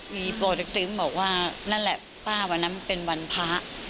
เรียกว่าป้าวันนั้นเป็นวันพระ